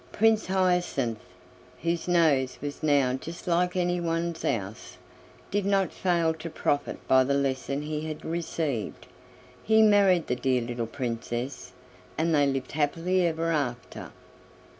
Prince Hyacinth, whose nose was now just like anyone's else, did not fail to profit by the lesson he had received. He married the Dear Little Princess, and they lived happily ever after.